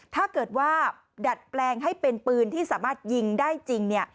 ถ้าเกิดว่าดัดแปลงให้เป็นปืนที่สามารถยิงได้จริง